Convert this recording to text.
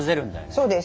そうです。